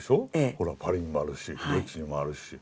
ほらパリにもあるしドイツにもあるし。